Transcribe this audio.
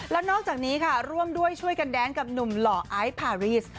แล้วนอกจากนี้ค่ะร่วมด้วยช่วยกันแดนกับหนุ่มหล่อไอซ์พารีส